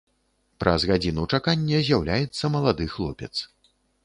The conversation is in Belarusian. Праз гадзіну чакання з'яўляецца малады хлопец.